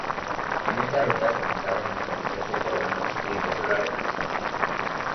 En esta ruta comenzaron a establecerse colonos y empezó la romanización.